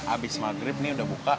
abis maghrib ini udah buka